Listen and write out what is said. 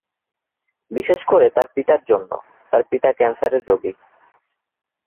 বিশেষ করে তার পিতার জন্য, তার পিতা ক্যান্সার এর রোগী।